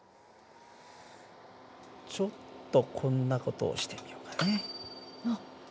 ちょっとこんな事をしてみようかね。